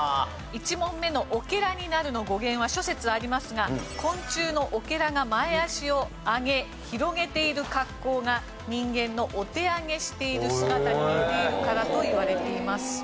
１問目の「おけらになる」の語源は諸説ありますが昆虫のオケラが前脚を上げ広げている格好が人間のお手上げしている姿に似ているからといわれています。